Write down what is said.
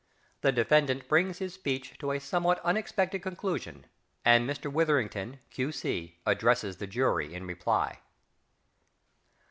The Defendant brings his Speech to a somewhat unexpected conclusion, and Mr Witherington, Q.C., addresses the Jury in reply.